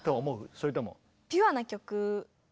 それとも。